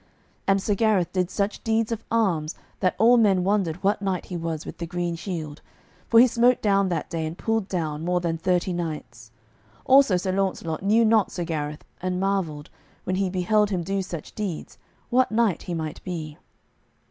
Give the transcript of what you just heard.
And Sir Gareth did such deeds of arms that all men wondered what knight he was with the green shield; for he smote down that day and pulled down more than thirty knights. Also Sir Launcelot knew not Sir Gareth, and marvelled, when he beheld him do such deeds, what knight he might be.